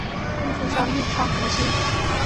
艺术上力倡革新